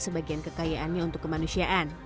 sebagian kekayaannya untuk kemanusiaan